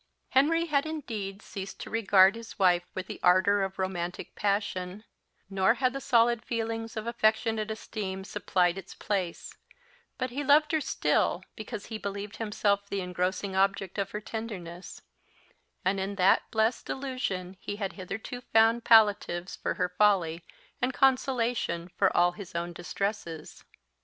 Henry had indeed ceased to regard his wife with the ardour of romantic passion; nor had the solid feelings of affectionate esteem supplied its place; but he loved her still, because he believed himself the engrossing object of her tenderness; and in that blest delusion he had hitherto found palliatives for her folly and consolation for all his own distresses.